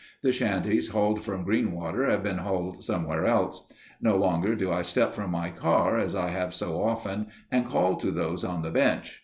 The shanties hauled from Greenwater have been hauled somewhere else. No longer do I step from my car as I have so often and call to those on the bench.